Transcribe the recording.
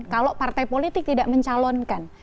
kalau partai politik tidak mencalonkan